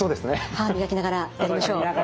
歯を磨きながらやりましょう。